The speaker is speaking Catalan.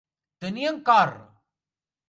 Tenir en cor.